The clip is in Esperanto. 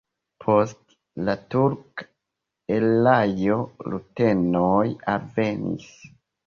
Post la turka erao rutenoj alvenis.